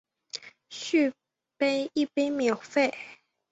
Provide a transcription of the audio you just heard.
续杯一杯免费